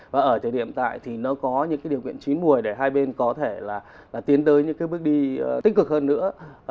và ở thời điểm tại thì nó có những cái điều kiện chín mùi để hai bên có thể là tiến tới những cái bước đi tích cực hơn nữa